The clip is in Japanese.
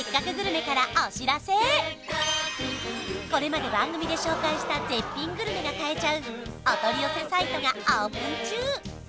これまで番組で紹介した絶品グルメが買えちゃうお取り寄せサイトがオープン中